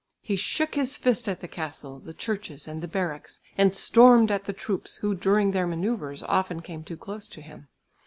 He shook his fist at the castle, the churches, and the barracks, and stormed at the troops who during their manoeuvres often came too close to him.